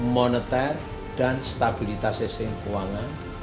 moneter dan stabilitas sistem keuangan